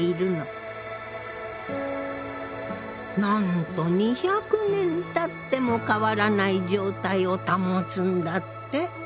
なんと２００年たっても変わらない状態を保つんだって。